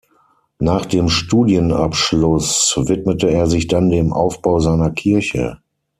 Nach dem Studienabschluss widmete er sich dann dem Aufbau seiner Kirche.